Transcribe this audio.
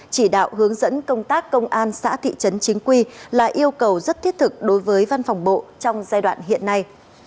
chỉ đạo hướng dẫn công tác công an xã thị trấn chính quy là yêu cầu rất thiết thực đối với văn phòng bộ trong giai đoạn hiện nay